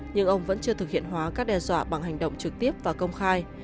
nhưng ông vẫn chưa thực hiện hóa các đe dọa bằng hành động trực tiếp và công khai